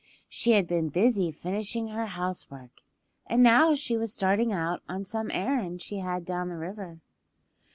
She had been busy finishing her housework and now she was starting out on some errand she had down the river.